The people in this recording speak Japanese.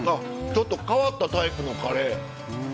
ちょっと変わったタイプのカレー。